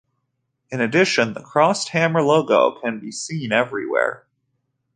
In addition, the "Crossed Hammer" logo can be seen everywhere.